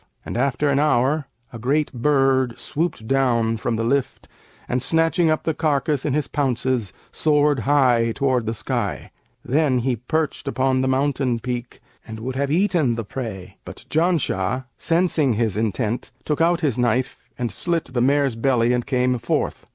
And after an hour a great bird swooped down from the lift and, snatching up the carcass in his pounces soared high toward the sky. Then he perched upon the mountain peak and would have eaten the prey, but Janshah sensing his intent took out his knife and slit the mare's belly and came forth.